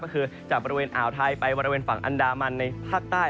ก็คือจากบริเวณอ่าวไทยไปบริเวณฝั่งอันดามันในภาคใต้